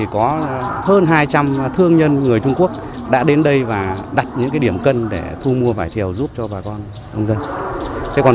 có hơn hai trăm linh thương nhân người trung quốc đã đến đây và đặt những điểm cân để thu mua vải thiều giúp cho bà con nông dân